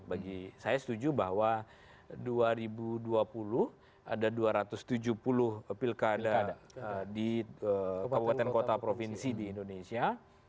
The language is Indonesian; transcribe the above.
bagi saya setuju bahwa dua ribu dua puluh ada dua ratus tujuh puluh pilkada di kabupaten kota provinsi di indonesia